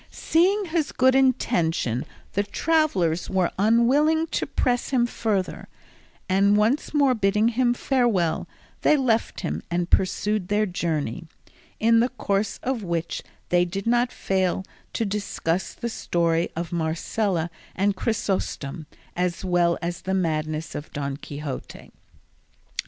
Seeing his good intention, the travellers were unwilling to press him further, and once more bidding him farewell, they left him and pursued their journey, in the course of which they did not fail to discuss the story of Marcela and Chrysostom as well as the madness of Don Quixote.